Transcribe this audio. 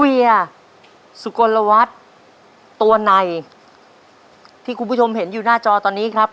เวียสุกลวัฒน์ตัวในที่คุณผู้ชมเห็นอยู่หน้าจอตอนนี้ครับ